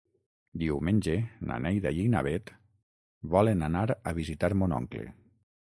Diumenge na Neida i na Bet volen anar a visitar mon oncle.